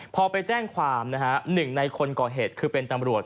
พอไปแจ้งความ๑ในคนก่อเหตุคือเป็นตำรวจ